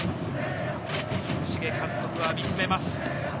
福重監督が見つめます。